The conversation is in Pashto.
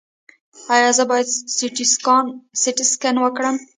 ایا زه باید سټي سکن وکړم؟